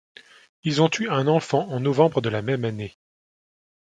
Ils ont eu un enfant en novembre de la même année.